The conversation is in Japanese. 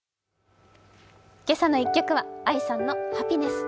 「けさの１曲」はＡＩさんの「ハピネス」。